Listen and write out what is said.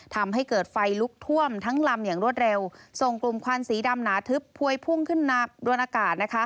ทำให้เกิดไฟลุกท่วมทั้งลำอย่างรวดเร็วส่งกลุ่มควันสีดำหนาทึบพวยพุ่งขึ้นมาโดนอากาศนะคะ